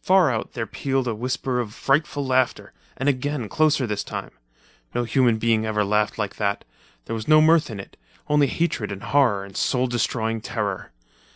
Far out, there pealed a whisper of frightful laughter. And again, closer this time. No human being ever laughed like that—there was no mirth in it, only hatred and horror and soul destroying terror.